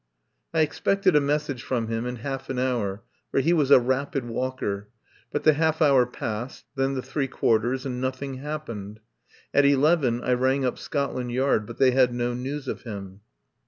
I expected a message from him in half an hour, for he was a rapid walker. But the half hour passed, then the three quarters, and nothing happened. At eleven I rang up Scotland Yard, but they had no news of him.